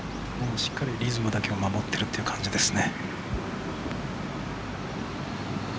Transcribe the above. しっかりリズムだけを守ってるという感じですね。